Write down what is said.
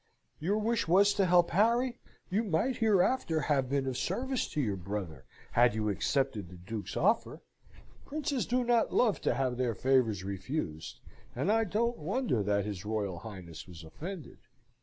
"Your wish was to help Harry? You might hereafter have been of service to your brother, had you accepted the Duke's offer. Princes do not love to have their favours refused, and I don't wonder that his Royal Highness was offended."